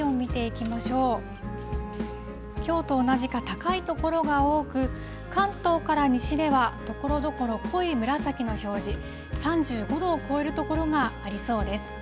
きょうと同じか高い所が多く、関東から西ではところどころ濃い紫の表示、３５度を超える所がありそうです。